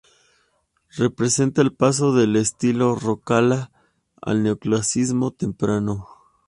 Representa el paso del estilo rocalla al neoclasicismo temprano.